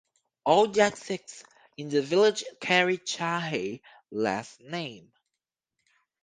All Jatt Sikhs in the village carry shahi last name.